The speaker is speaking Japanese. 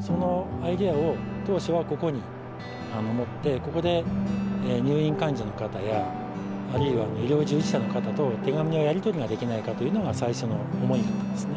そのアイデアを、当初はここに持って、ここで入院患者の方や、あるいは医療従事者の方と手紙のやり取りができないかというのが、最初の思いだったんですね。